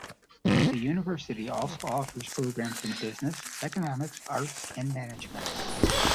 The university also offers programs in business, economics, arts, and management.